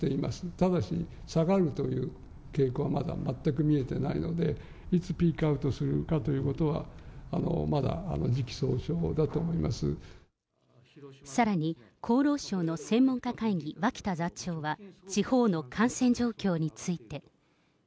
ただし、下がるという傾向はまだ全く見えてないので、いつピークアウトするかということは、さらに、厚労省の専門家会議、脇田座長は地方の感染状況について。